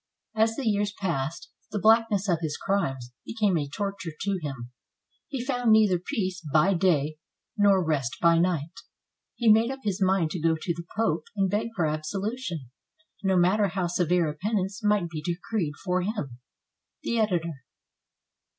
As the years passed, the blackness of his crimes became a torture to him. He found neither peace by day nor rest by night. He made up his mind to go to the Pope and beg for absolution, no matter how severe a penance might be decreed for him. The Editor.